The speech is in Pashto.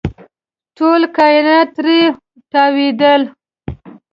ټول کاینات ترې تاوېدل.